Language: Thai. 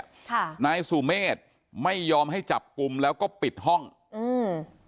ค่ะนายสุเมฆไม่ยอมให้จับกลุ่มแล้วก็ปิดห้องอืม